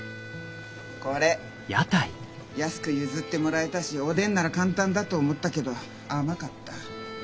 これ安く譲ってもらえたしおでんなら簡単だと思ったけど甘かった。